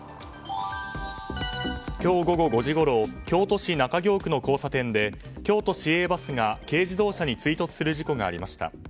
今日午後５時ごろ京都市中京区の交差点で京都市営バスが軽自動車に追突する事故がありました。